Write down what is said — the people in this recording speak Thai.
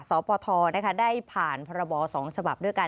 สปทได้ผ่านพรบ๒ฉบับด้วยกัน